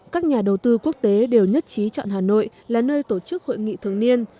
các nhà đầu tư quốc tế đều nhất trí chọn hà nội là nơi tổ chức hội nghị thường niên